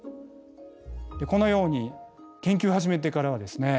このように研究を始めてからはですね